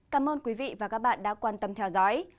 cảm ơn quý vị và các bạn đã quan tâm theo dõi